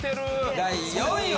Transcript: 第４位は！